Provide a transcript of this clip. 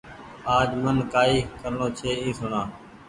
آج من ڪآئي ڪرڻو ڇي اي سوڻآ